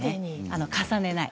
重ねない。